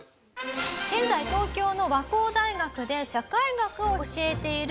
現在東京の和光大学で社会学を教えているウチコシさん。